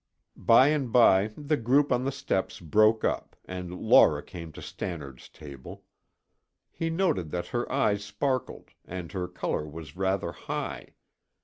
By and by the group on the steps broke up and Laura came to Stannard's table. He noted that her eyes sparkled and her color was rather high.